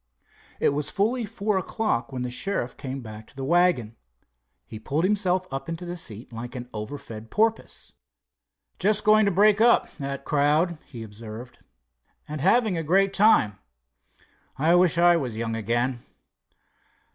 It was fully four o'clock when the sheriff came back to the wagon. He pulled himself up into the seat like an overfed porpoise. "Just going to break up, that crowd," he observed, "and having a great time. I wish I was young again.